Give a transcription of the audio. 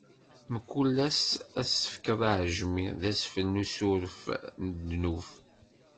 Mkul ass ad tefkeḍ aɛejmi d asfel n usuref n ddnub.